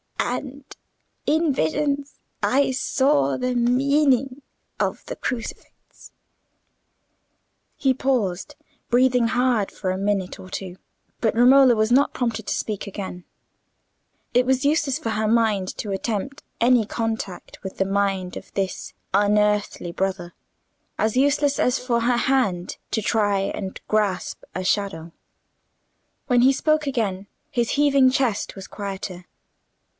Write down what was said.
And in visions I saw the meaning of the Crucifix." He paused, breathing hard for a minute or two: but Romola was not prompted to speak again. It was useless for her mind to attempt any contact with the mind of this unearthly brother: as useless as for her hand to try and grasp a shadow. When he spoke again his heaving chest was quieter.